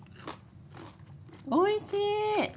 おいしい！